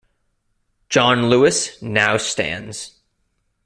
John Lewis now stands.